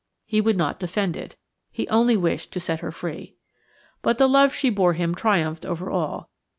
He would not defend it. He only wished to set her free. But the love she bore him triumphed over all.